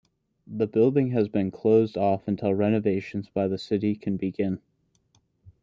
The building has been closed off until renovations by the city can begin.